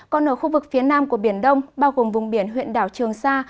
còn ở khu vực phía nam của biển đông bao gồm vùng biển huyện đảo trường sa